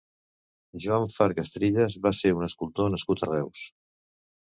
Joan Fargas Trillas va ser un escultor nascut a Reus.